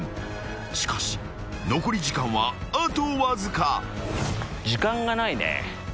［しかし残り時間はあとわずか］時間がないね。